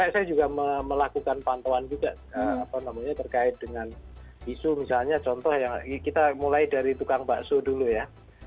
saya juga melakukan pantauan juga terkait dengan isu misalnya contoh yang kita mulai dari tukang bakso dulu ya